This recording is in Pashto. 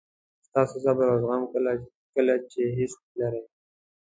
ستاسو صبر او زغم کله چې هیڅ نه لرئ.